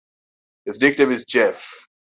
His nickname is "Jeff".